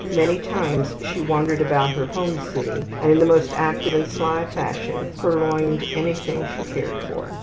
Many times she wandered about her home city and in the most active and sly fashion purloined anything she cared for.